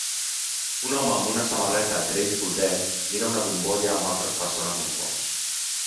Un home amb una samarreta Grateful Dead mira una bombolla amb altres persones al fons.